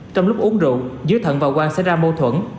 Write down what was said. trong lúc uống rượu giữa thần và quang xảy ra mâu thuẫn